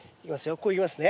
こういきますね。